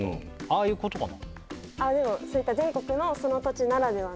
ああいうことかな？